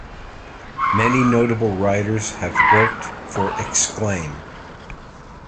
Many notable writers have worked for Exclaim!